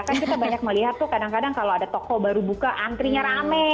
kan kita banyak melihat tuh kadang kadang kalau ada toko baru buka antrinya rame